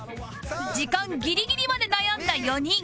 時間ギリギリまで悩んだ４人